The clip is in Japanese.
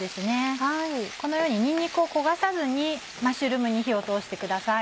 このようににんにくを焦がさずにマッシュルームに火を通してください。